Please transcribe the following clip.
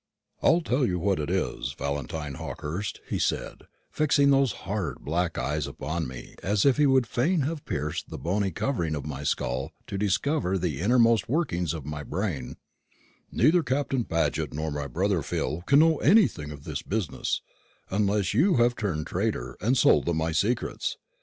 "I'll tell you what it is, Valentine Hawkehurst," he said, fixing those hard black eyes of his upon me as if he would fain have pierced the bony covering of my skull to discover the innermost workings of my brain; "neither Captain Paget nor my brother Phil can know anything of this business, unless you have turned traitor and sold them my secrets.